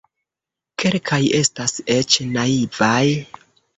Kelkaj estas eĉ naivaj.